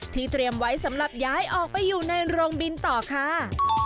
เตรียมไว้สำหรับย้ายออกไปอยู่ในโรงบินต่อค่ะ